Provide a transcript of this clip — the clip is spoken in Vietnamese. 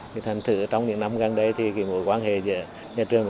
thì thật sự trong những năm gần đây thì mối quan hệ giữa nhà trường